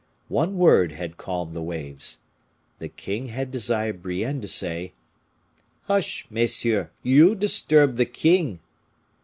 One word had calmed the waves. The king had desired Brienne to say, "Hush, messieurs! you disturb the king."